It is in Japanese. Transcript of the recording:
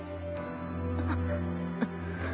あっ。